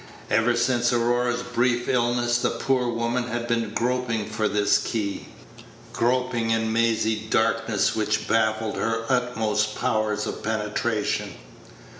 Ever since Aurora's brief illness the poor woman had been groping for this key groping in mazy darknesses which baffled her utmost powers of penetration.